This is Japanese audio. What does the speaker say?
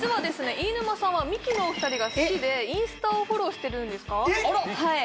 飯沼さんはミキのお二人が好きでインスタをフォローしてるんですか？